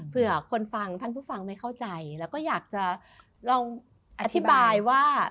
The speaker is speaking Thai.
เพื่อคนฟังท่านผู้ฟังไม่เข้าใจแล้วก็อยากจะลองอธิบายว่า